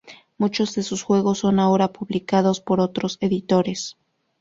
Muchos de sus juegos son ahora publicados por otros editores.